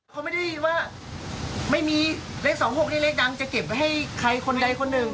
เขาไม่ได้ยินว่าไม่มีเลขสองหกนี่เลขดังจะเก็บให้ใครคนใดคนหนึ่ง